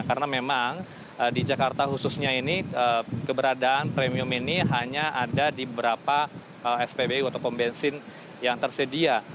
karena memang di jakarta khususnya ini keberadaan premium ini hanya ada di beberapa spbu atau pembensin yang tersedia